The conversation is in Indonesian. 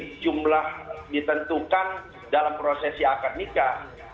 jadi jumlah ditentukan dalam prosesi akad nikah